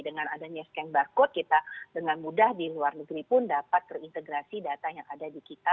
dengan adanya scan barcode kita dengan mudah di luar negeri pun dapat terintegrasi data yang ada di kita